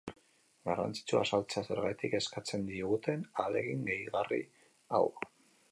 Garrantzitsua azaltzea zergatik eskatzen diguten ahalegin gehigarri hau.